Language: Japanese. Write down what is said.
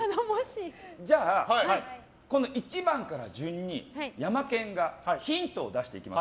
じゃあ、１番から順にヤマケンがヒントを出していきます。